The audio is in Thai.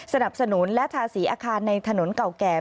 สนับสนุนและทาสีอาคารในถนนเก่าแก่